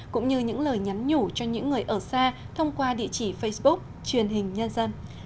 cũng như những lời nhắn nhủ cho những người ở xa thông qua địa chỉ facebook truyền hình nhân dân